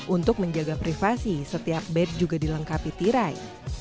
untuk menjaga privasi setiap bed juga dilengkapi tirai